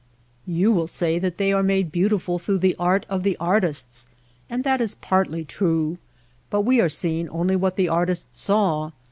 You will say they are made beautiful through the art of the artists, and that is partly true ; but we are seeing only what the artists saw.